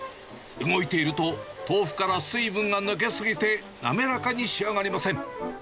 動いていると、豆腐から水分が抜け過ぎて、滑らかに仕上がりません。